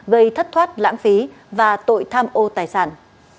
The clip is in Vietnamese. gây thất thoát lãng phí và tội tham ô tài sản